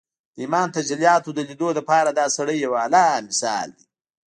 د ايماني تجلياتو د ليدو لپاره دا سړی يو اعلی مثال دی